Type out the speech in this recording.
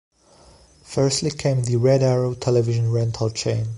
Firstly came the 'Red Arrow Television Rental' chain.